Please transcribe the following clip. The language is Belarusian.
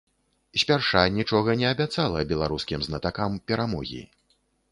Спярша нічога не абяцала беларускім знатакам перамогі.